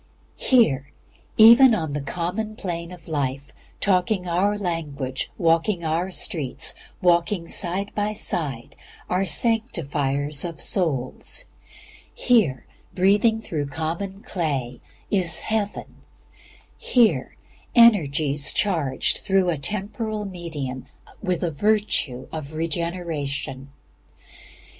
Here, even on the common plane of life, talking our language, walking our streets, working side by side, are sanctifiers of souls; here, breathing through common clay, is Heaven; here, energies charged even through a temporal medium with the virtue of regeneration.